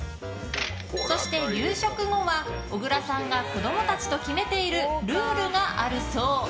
そして夕食後は小倉さんが子供たちと決めているルールがあるそう。